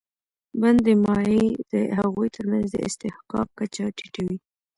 بندي مایع د هغوی تر منځ د اصطحکاک کچه ټیټوي.